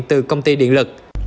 từ công ty điện lực